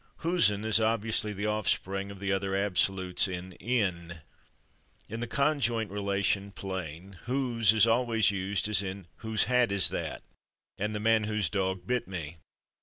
/Whosen/ is obviously the offspring of the other absolutes in /n/. In the conjoint relation plain /whose/ is always used, as in "/whose/ hat is that?" and "the man /whose/ dog bit me."